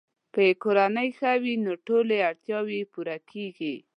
که یې کورنۍ ښه وي، نو ټولې اړتیاوې یې پوره کیږي.